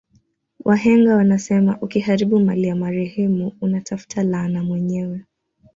Wahenga wanasema ukiharibu mali ya marehemu una tafuta laana mwenyewe